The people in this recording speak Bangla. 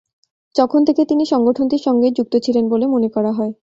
তখন থেকে তিনি সংগঠনটির সঙ্গেই যুক্ত ছিলেন বলে মনে করা হয়।